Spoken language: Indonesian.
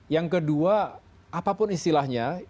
yang kedua apapun istilahnya